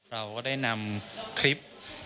เราก็ได้นำคลิป